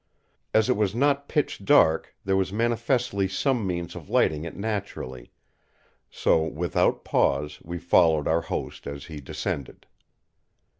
As it was not pitch dark there was manifestly some means of lighting it naturally, so without pause we followed our host as he descended.